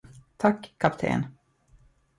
Tack, kapten!